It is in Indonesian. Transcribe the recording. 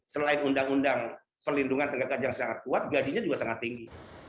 selain undang undang perlindungan tenaga kerja yang sangat kuat gajinya juga sangat tinggi